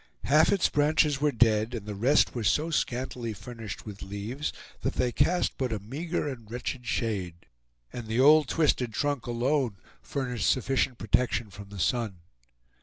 Half its branches were dead, and the rest were so scantily furnished with leaves that they cast but a meager and wretched shade, and the old twisted trunk alone furnished sufficient protection from the sun.